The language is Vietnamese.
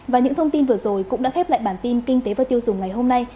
và những thông tin vừa rồi cũng đã khép lại bản tin kinh tế và tiêu dùng ngày hôm nay